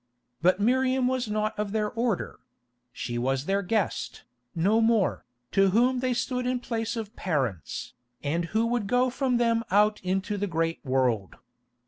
But Miriam was not of their order; she was their guest, no more, to whom they stood in the place of parents, and who would go from them out into the great world.